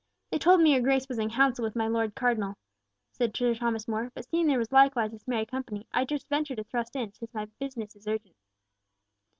"They told me your Grace was in Council with my Lord Cardinal," said Sir Thomas More; "but seeing that there was likewise this merry company, I durst venture to thrust in, since my business is urgent."